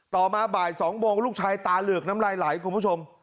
ต่อมาบ่าย๒โมงลูกชายตาเหลือกน้ำลายไหลคุณผู้ชม